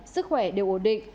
sức khỏe đều ổn định